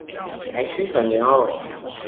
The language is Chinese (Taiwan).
來吃粉圓喔